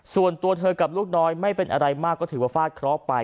ส่วนตัวเธอกับลูกน้อยไม่เป็นอะไรมากก็ถือว่าฟาดเคราะห์ไป